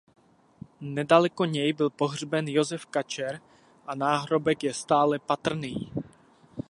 Nedalo něj byl pohřben Josef Kačer a náhrobek je stále patrný.